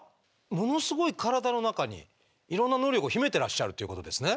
ものすごい体の中にいろんな能力を秘めてらっしゃるっていうことですね？